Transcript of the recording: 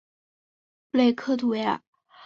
布雷克图维尔。